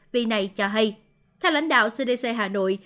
bi này cho hay theo lãnh đạo cdc hà nội